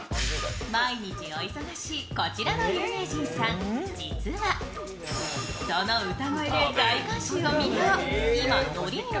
毎日お忙しい、こちらの有名人さん実は、その歌声で大観衆を魅了今、ノリにノ